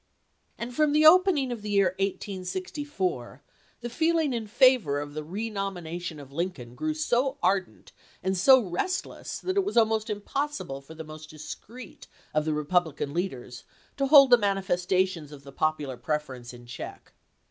And from the opening of the year 1864 the feel ing in favor of the renomination of Lincoln grew so ardent and so restless that it was almost impos sible for the most discreet of the Republican leaders to hold the manifestations of the popular prefer ence in check.